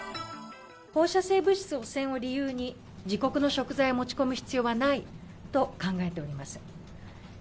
放射性物質汚染を理由に、自国の食材を持ち込む必要はないと考えております。